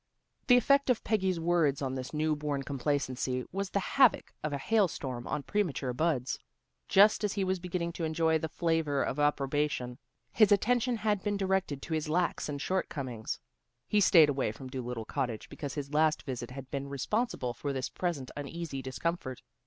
The effect of Peggy's words on this new born complacency was the havoc of a hailstorm on premature buds. Just as he was beginning to enjoy the flavor of approbation, his attention had been directed to his lacks and shortcomings. He stayed away from Dolittle Cottage because his last visit had been responsible for this present uneasy discomfort.